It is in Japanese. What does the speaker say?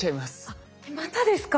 あっまたですか？